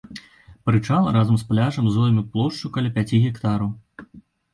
Прычал разам з пляжам зойме плошчу каля пяці гектараў.